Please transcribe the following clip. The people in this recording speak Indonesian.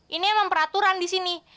ini emang peraturan di sini